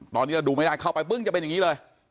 ตอนนี้เราดูไม่ได้เข้าไปปึ้งจะเป็นอย่างนี้เลย